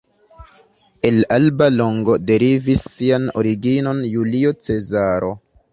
El Alba Longo derivis sian originon Julio Cezaro.